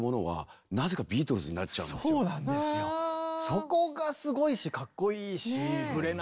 そこがすごいしかっこいいしブレないし。